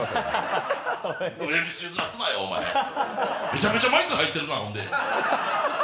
めちゃめちゃマイク入ってるな、ほんで。